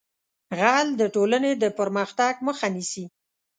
غل د ټولنې د پرمختګ مخه نیسي